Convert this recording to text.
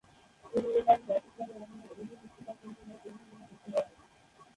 এই rail line ব্যাপকভাবে এখন অধিক উচ্চতার কনটেইনার পরিচালনা করতে পারবে।